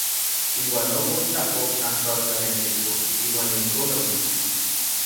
Iuan ok otlapoj asta otlanesiko; iuan ijkon okiski.